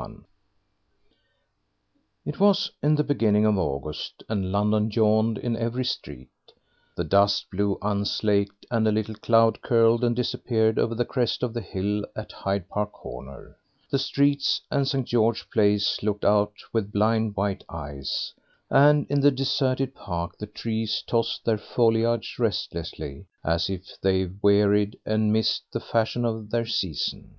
XXI It was the beginning of August, and London yawned in every street; the dust blew unslaked, and a little cloud curled and disappeared over the crest of the hill at Hyde Park Corner; the streets and St. George's Place looked out with blind, white eyes; and in the deserted Park the trees tossed their foliage restlessly, as if they wearied and missed the fashion of their season.